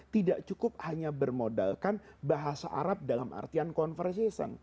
tidak cukup hanya bermodalkan bahasa arab dalam artian conversation